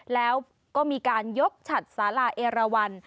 แล้วก็มีการยกฉัดสาลาเอราวัน